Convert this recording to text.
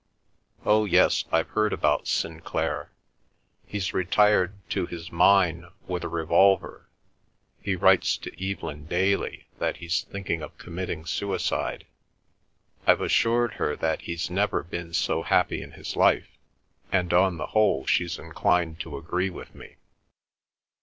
"Oh, yes, I've heard about Sinclair. He's retired to his mine with a revolver. He writes to Evelyn daily that he's thinking of committing suicide. I've assured her that he's never been so happy in his life, and, on the whole, she's inclined to agree with me."